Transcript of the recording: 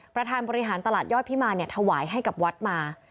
ประธานบริหารตลาดยอดพิมารถวายให้กับวัดมา